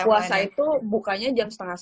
puasa itu bukanya jam setengah sepuluh